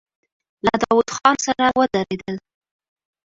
له داوود خان سره ودرېدل.